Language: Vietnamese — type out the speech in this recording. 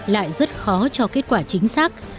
lại rất khó cho kết quả chính xác